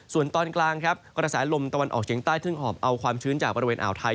ส่วนตอนกลางครับกระแสลมตะวันออกเฉียงใต้เพิ่งหอบเอาความชื้นจากบริเวณอ่าวไทย